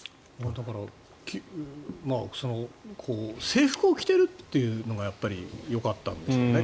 だから制服を着ているっていうのがやっぱりよかったんでしょうね。